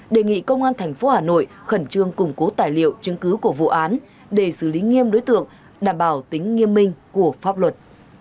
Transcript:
đề nghị công an tp hà nội khẩn trương củng cố tài liệu chứng cứ của vụ án để xử lý nghiêm đối tượng đảm bảo tính nghiêm minh của pháp luật